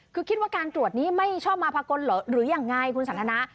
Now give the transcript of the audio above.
คือคิดว่าการตรวจนี้ไม่ชอบมาพากลเหรอหรือยังไงคุณสันทนา